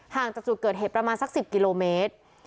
ห่างจากจุดเกิดเห็นประมาณสักสิบกิโลเมตร